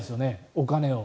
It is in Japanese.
お金を。